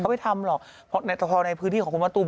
เขาไม่ทำหรอกแต่พอในพื้นที่ของคุณมะตูม